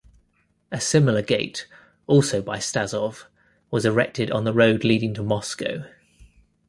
A similar gate, also by Stasov, was erected on the road leading to Moscow.